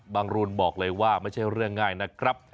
รูนบอกเลยว่าไม่ใช่เรื่องง่ายนะครับ